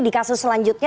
di kasus selanjutnya